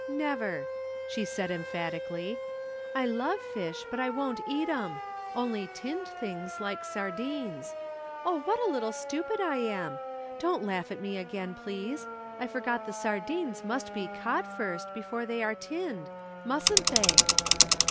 "Never," she said emphatically. "I love fish, but I won't eat 'em! only tinned things, like sardines. Oh, what a little stupid I am! Don't laugh at me again, please. I forgot the sardines must be caught first, before they are tinned, mustn't they?"